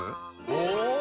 お！